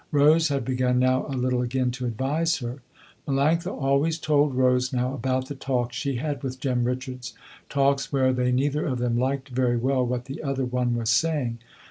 Rose had begun now a little again to advise her. Melanctha always told Rose now about the talks she had with Jem Richards, talks where they neither of them liked very well what the other one was saying.